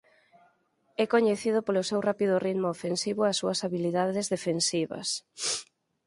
É coñecido polo seu rápido ritmo ofensivo e as súas habilidades defensivas.